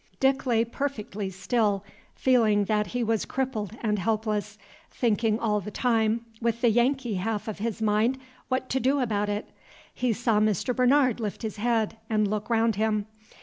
Dick lay perfectly still, feeling that he was crippled and helpless, thinking all the time with the Yankee half of his mind what to do about it. He saw Mr. Bernard lift his head and look around him.